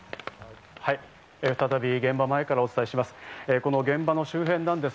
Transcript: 再び現場前からお伝えします。